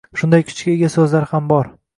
Shunday kuchga ega so’zlar ham bor.